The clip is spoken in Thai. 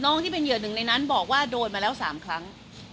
ที่เป็นเหยื่อหนึ่งในนั้นบอกว่าโดนมาแล้ว๓ครั้ง